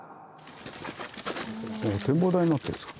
お展望台になってるんですか。